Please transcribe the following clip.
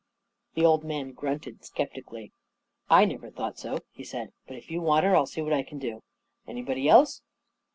The old man grunted skeptically. 44 1 never thought so," he said. " But if you want her, I'll see what I can do. Anybody else